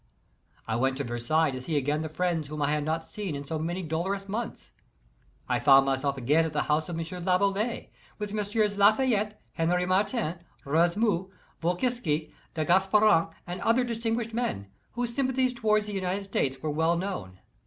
I went to Versailles to see again the friends whom I had not seen for so many dolorous months; I found my self again at the house of M. Laboulaye, with Messieurs Lafayette, Henri Martin, R6musat, Volowski, de Gasparin and other distinguished men, whose sympathies toward the United States were well known.